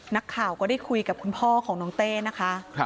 นักข่าวก็ได้คุยกับคุณพ่อของน้องเต้นะคะ